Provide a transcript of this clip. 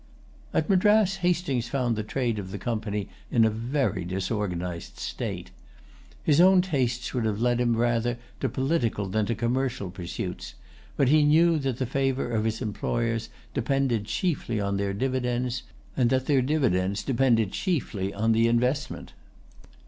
At Madras, Hastings found the trade of the Company in a very disorganized state. His own tastes would have led him rather to political than to commercial pursuits; but he knew that the favor of his employers depended chiefly on their dividends, and that their dividends depended chiefly on the investment.